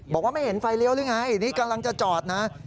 บอกว่าไม่เห็นไฟเลี้ยวหรือไงนี่กำลังจะจอดนะ